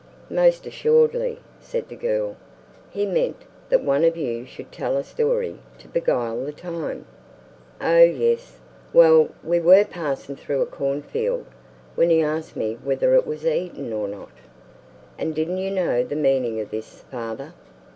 "Most assuredly," said the girl. "He meant that one of you should tell a story to beguile the time." "Oh, yes. Well, we were passing through a cornfield, when he asked me whether it was eaten or not." "And didn't you know the meaning of this, father?